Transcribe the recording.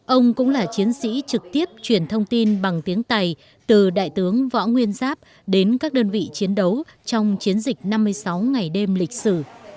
ông cũng là chiến sĩ trực tiếp truyền thông tin bằng tiếng tài từ đại tướng võ nguyên giáp đến các đơn vị chiến đấu trong chiến dịch năm mươi sáu ngày đêm lịch sử